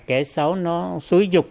kẻ xấu nó xúi dục